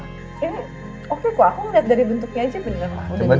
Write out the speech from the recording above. ini oke kok aku lihat dari bentuknya aja bener